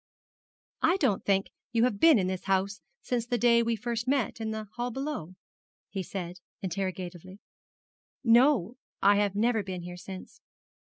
'I don't think you have been in this house since the day we first met in the hall below?' he said, interrogatively. 'No, I have never been here since.'